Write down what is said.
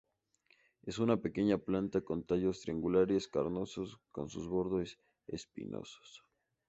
Es una pequeña planta con tallos triangulares carnosos con sus bordes espinosos.